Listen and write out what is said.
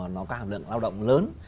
nó có hàm lượng lao động lớn